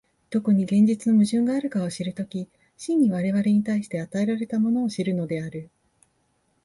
どこに現実の矛盾があるかを知る時、真に我々に対して与えられたものを知るのである。